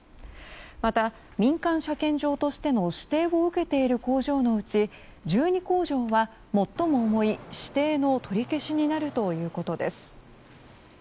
また、民間車検場としての指定を受けている工場のうち１２工場は最も重い指定の取り消しになるということです。